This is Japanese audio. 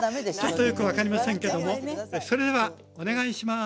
ちょっとよく分かりませんけどもそれではお願いします。